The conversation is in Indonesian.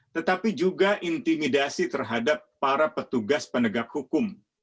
tetapi juga intimidasi terhadap para petugas penegak hukum